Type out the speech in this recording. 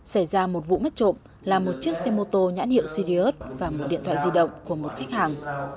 xảy ra một vụ mất trộm là một chiếc xe mô tô nhãn hiệu syriot và một điện thoại di động của một khách hàng